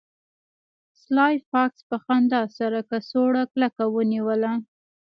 سلای فاکس په خندا سره کڅوړه کلکه ونیوله